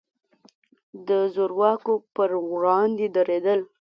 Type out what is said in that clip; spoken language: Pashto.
د زور واکو پر وړاندې درېدل.